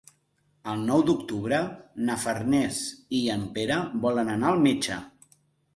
El nou d'octubre na Farners i en Pere volen anar al metge.